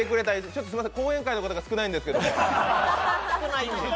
ちょっとすみません、後援会の方が少ないんですけど。